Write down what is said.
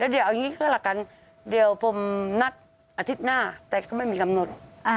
แล้วเอาอย่างนี้คือก็แหละกันผมนัดอาทิตย์หน้าแต่ก็ไม่มีกำหนด